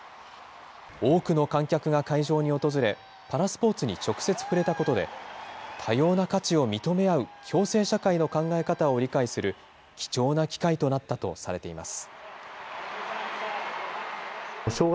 多くの観客が会場に訪れ、パラスポーツに直接触れたことで、多様な価値を認め合う共生社会の考え方を理解する、貴重な機会となったとされています。